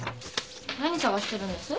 何探してるんです？